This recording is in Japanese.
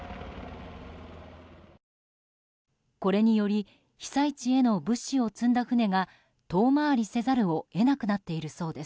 これにより被災地への物資を積んだ船が遠回りせざるを得なくなっているそうです。